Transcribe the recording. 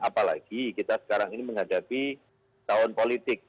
apalagi kita sekarang ini menghadapi tahun politik